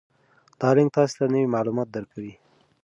دا لینک تاسي ته نوي معلومات درکوي.